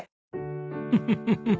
フフフ。